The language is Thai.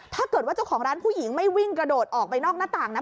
ถ้าเกิดว่าเจ้าของร้านผู้หญิงไม่วิ่งกระโดดออกไปนอกหน้าต่างนะ